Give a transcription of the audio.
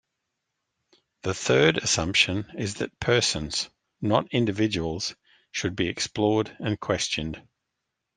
The third assumption is that persons, not individuals, should be explored and questioned.